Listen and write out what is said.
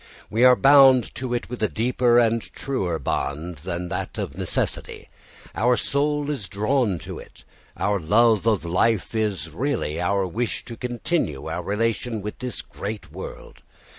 We are bound to it with a deeper and truer bond than that of necessity. Our soul is drawn to it; our love of life is really our wish to continue our relation with this great world.